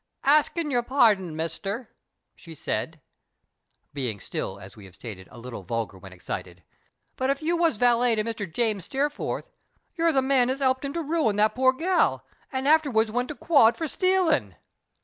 " Axin' yer pardon, mister," she said (being still, as we have stated, a little vulgar when excited), " but if you was valet to Mr. James Steerforth, you're the man as 'elped 'im to ruin that pore gal, and as afterwards went to quod for stcalin'.